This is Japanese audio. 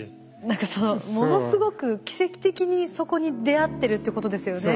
何かものすごく奇跡的にそこに出合ってるってことですよね。